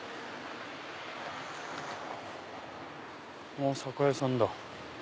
あ酒屋さんだ。